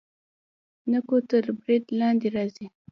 نکو تر برید لاندې راځي.